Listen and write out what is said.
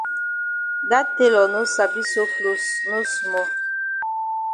Dat tailor no sabi sew closs no small.